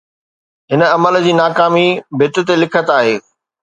هن عمل جي ناڪامي ڀت تي لکت آهي.